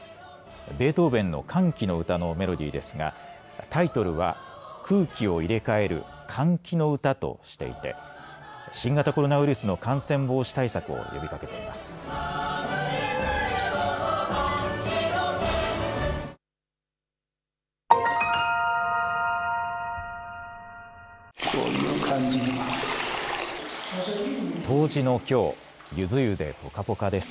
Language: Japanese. ベートーベンの歓喜の歌のメロディーですがタイトルは空気を入れ替える換気の歌としていて新型コロナウイルスの感染防止対策を呼びかけています。